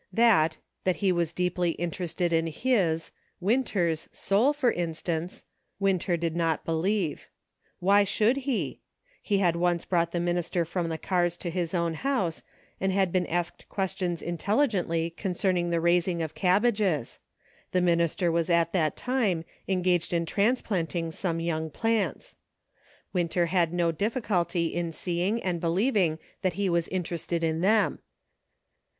That he was deeply interested in his — Winter's soul, for instance — Winter did not believe. Why SAGE CONCLUSIONS. l6l should he ? He had once brought the minister from the cars to his own house, and had been asked questions intelligently concerning the rais ing of cabbages. The minister was at that time engaged in transplanting some young plants. Winter had no difficulty in seeing and believing that he was interested in them.